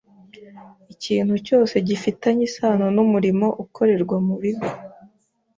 Ikintu cyose gifitanye isano n’umurimo ukorerwa mu bigo